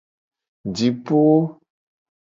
Jipo.